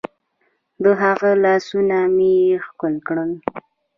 د هغه لاسونه مې ښکل کړل.